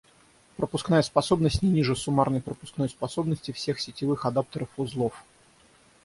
Пропускная способность не ниже суммарной пропускной способности всех сетевых адаптеров узлов